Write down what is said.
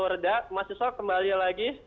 reda mahasiswa kembali lagi